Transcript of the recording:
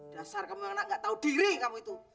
dasar kamu anak gak tahu diri kamu itu